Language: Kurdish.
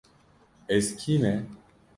Ez kî me?